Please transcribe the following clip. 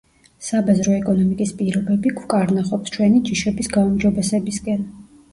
საბაზრო ეკონომიკის პირობები, გვკარნახობს ჩვენ ჯიშების გაუმჯობესებისკენ.